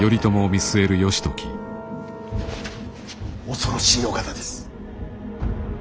恐ろしいお方です。